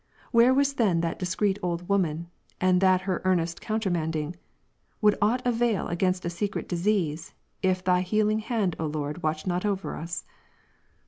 Where was then that discreet old woman, and that her earnest countermanding ? Would aught avail againstasecret disease, if Thy healing hand, O Lord, watched not over us